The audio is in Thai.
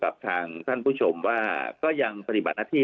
กับทางท่านผู้ชมว่าก็ยังปฏิบัติหน้าที่